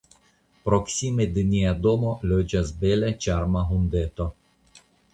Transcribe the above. Proksime de nia domo loĝas bela, ĉarma, hundeto.